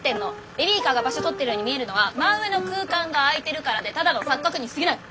ベビーカーが場所とってるように見えるのは真上の空間が空いてるからでただの錯覚にすぎない。